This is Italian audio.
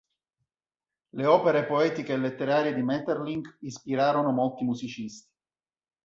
Le opere poetiche e letterarie di Maeterlinck ispirarono molti musicisti.